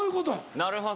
なるほど。